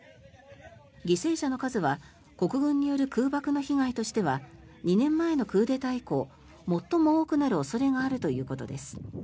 犠牲者の数は国軍による空爆の被害としては２年前のクーデター以降最も多くなる恐れがあるということです。